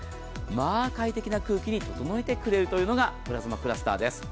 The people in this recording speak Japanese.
快適な空気に整えてくれるというのがプラズマクラスターです。